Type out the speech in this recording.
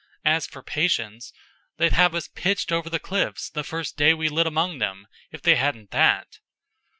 As for patience they'd have pitched us over the cliffs the first day we lit among 'em, if they hadn't that."